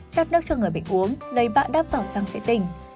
chắp nước cho người bệnh uống lấy bạ đắp vào răng sẽ tỉnh